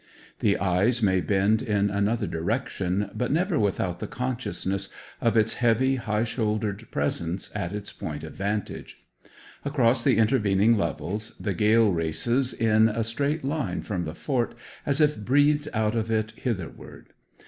The eyes may bend in another direction, but never without the consciousness of its heavy, high shouldered presence at its point of vantage. Across the intervening levels the gale races in a straight line from the fort, as if breathed out of it hitherward.